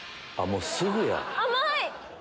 もうすぐや。